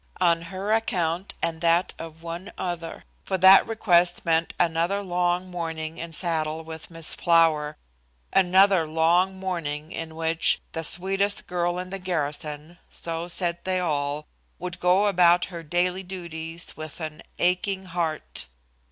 On her account and that of one other, for that request meant another long morning in saddle with Miss Flower, another long morning in which "the sweetest girl in the garrison," so said they all, would go about her daily duties with an aching heart.